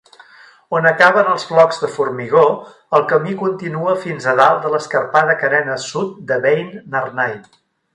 On acaben els blocs de formigó, el camí continua fins a dalt de l'escarpada carena sud de Beinn Narnain.